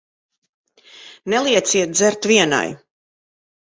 Nelieciet dzert vienai.